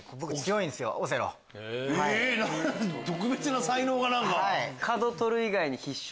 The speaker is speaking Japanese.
特別な才能が何か。